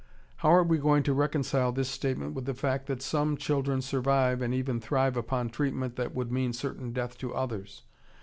How are we going to reconcile this statement with the fact that some children survive and even thrive upon treatment that would mean certain death to others?